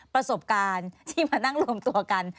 ประสบการณ์ที่มานั่งรวมตัวกัน